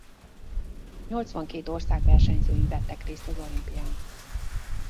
Nyolcvankét ország versenyzői vettek részt az olimpián.